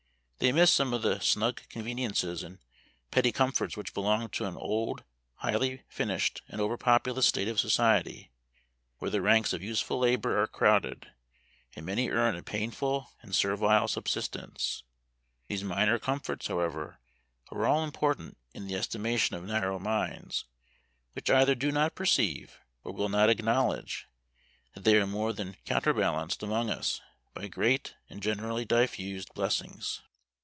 They miss some of the snug conveniences and petty comforts which belong to an old, highly finished, and over populous state of society; where the ranks of useful labor are crowded, and many earn a painful and servile subsistence, by studying the very caprices of appetite and self indulgence. These minor comforts, however, are all important in the estimation of narrow minds; which either do not perceive, or will not acknowledge, that they are more than counterbalanced among us, by great and generally diffused blessings.